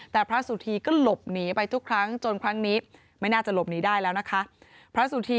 แต่พระสุธีก็หลบหนีไปทุกครั้งจนครั้งนี้ไม่น่าจะหลบหนีได้แล้วนะคะพระสุธี